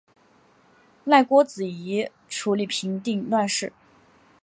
赖郭子仪处理平定乱事。